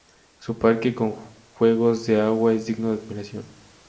Su parque con juegos de agua es digno de admiración.